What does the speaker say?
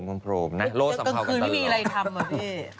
ตั้งคืนไม่มีอะไรทำอะพี่